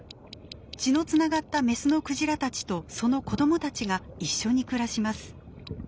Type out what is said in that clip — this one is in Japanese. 血のつながったメスのクジラたちとその子どもたちが一緒に暮らします。